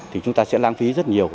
thì chúng ta sẽ lãng phí rất nhiều